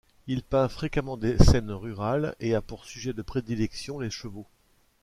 Il peint fréquemment des scènes rurales, et a pour sujet de prédilection les chevaux.